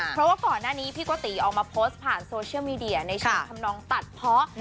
เพราะว่าก่อนหน้านี้พี่โกติออกมาโพสต์ผ่านโซเชียลมีเดียในเชิงทำนองตัดเพาะ